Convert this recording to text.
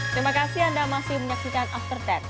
terima kasih anda masih menyaksikan after sepuluh